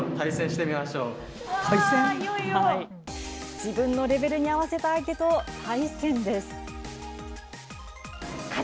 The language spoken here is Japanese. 自分のレベルに合わせた相手と対戦です。